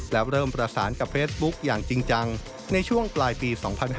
แล้วเริ่มประสานกับเฟซบุ๊คอย่างจริงจังในช่วงปลายปี๒๕๕๙